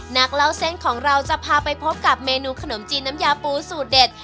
นักเล่าเส้นของเราจะพาไปพบกับเมนูขนมจีนน้ำยาปูสูตรเด็ด